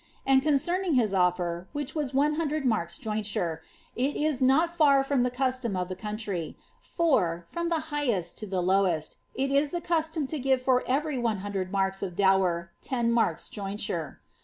And concerning his offer, vhich was 100 marks jointure, it is not far from the custom of the country ; for, ftsm the highest to the lowest, it is the custom to give for every 100 marks of 4oveT ten marks jointure.